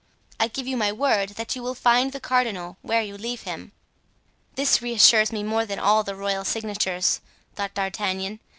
I give you my word that you will find the cardinal where you leave him." "This reassures me more than all the royal signatures," thought D'Artagnan.